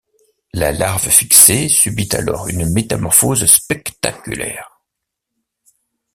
La larve fixée subit alors une métamorphose spectaculaire.